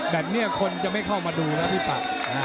แบบนี้คนจะไม่เข้ามาดูแล้วพี่ปาก